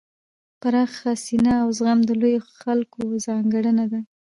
پراخه سینه او زغم د لویو خلکو ځانګړنه وي.